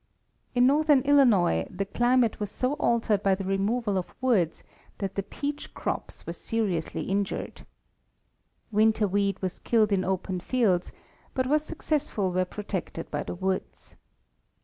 In northern Illinois, the climate was so altered by the removal of woods that the peach crops were seriously injured. Winter wheat was killed in open fields, but was successful where protected by the woods.